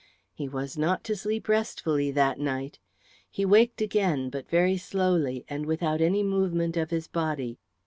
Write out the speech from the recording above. He was not to sleep restfully that night. He waked again, but very slowly, and without any movement of his body.